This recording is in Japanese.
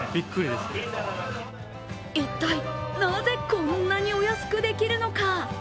一体なぜ、こんなにお安くできるのか？